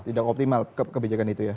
tidak optimal kebijakan itu ya